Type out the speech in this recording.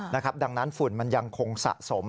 นะครับดังนั้นฝุ่นมันยังคงสะสม